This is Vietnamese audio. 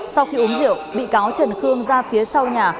sau khi uống rượu bị cáo trần khương ra phía sau nhà